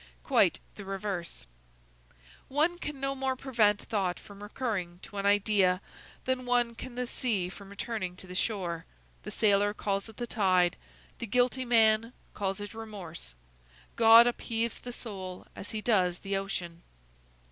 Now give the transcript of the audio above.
Quite the reverse. One can no more prevent thought from recurring to an idea than one can the sea from returning to the shore: the sailor calls it the tide; the guilty man calls it remorse; God upheaves the soul as he does the ocean.